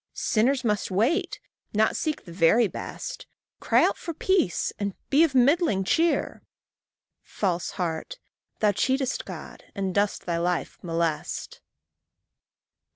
Sinners must wait, not seek the very best, Cry out for peace, and be of middling cheer: False heart! thou cheatest God, and dost thy life molest.